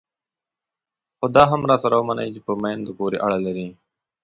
خو دا هم راسره ومنئ چې په میندو پورې اړه لري.